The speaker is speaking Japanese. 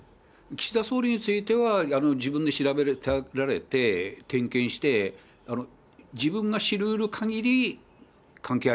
岸田総理については、自分で調べられて、点検して、ないんです。